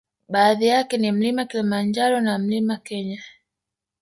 Baadhi yake ni mlima kilimanjaro na mlima Kenya